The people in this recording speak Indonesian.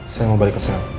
saya mau balik ke saya